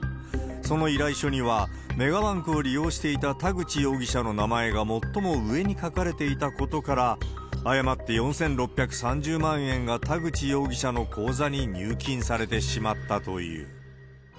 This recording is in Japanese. その依頼書には、メガバンクを利用していた田口容疑者の名前が最も上に書かれていたことから、誤って４６３０万円が田口容疑者の口座に入金されてしまったという。